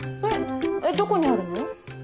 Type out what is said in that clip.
えっどこにあるの？